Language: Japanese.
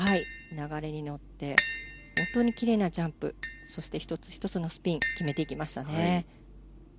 流れに乗って本当に奇麗なジャンプそして、１つ１つのスピン決めていきましたね。